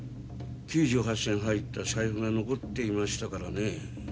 ９８銭入った財布が残っていましたからね。